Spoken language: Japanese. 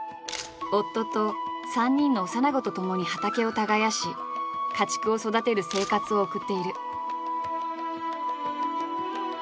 夫と３人の幼子とともに畑を耕し家畜を育てる生活を送っている。